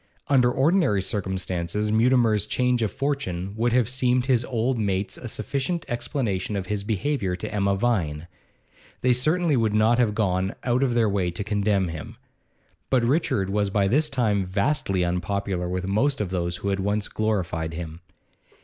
Under ordinary circumstances Mutimer's change of fortune would have seemed to his old mates a sufficient explanation of his behaviour to Emma Vine; they certainly would not have gone out of their way to condemn him. But Richard was by this time vastly unpopular with most of those who had once glorified him.